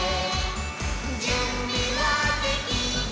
「じゅんびはできた？